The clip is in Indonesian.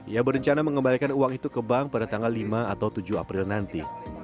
ia berencana mengembalikan uang itu ke bank pada tanggal lima atau tujuh april nanti